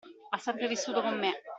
Ha sempre vissuto con me.